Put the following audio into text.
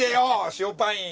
塩パイン。